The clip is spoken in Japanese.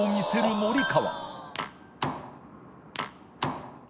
森川）